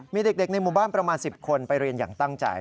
มีเด็กในหมู่บ้านประมาณ๑๐คนไปเรียนอย่างตั้งใจ